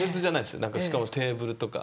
なんかしかもテーブルとか。